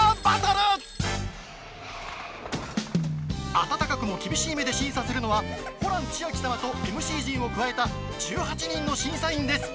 温かくも厳しい目で審査するのはホラン千秋様とＭＣ陣を加えた１８人の審査員です。